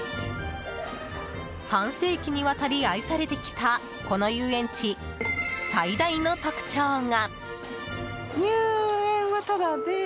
半世紀にわたり愛されてきたこの遊園地最大の特徴が。